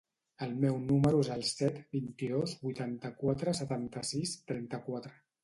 El meu número es el set, vint-i-dos, vuitanta-quatre, setanta-sis, trenta-quatre.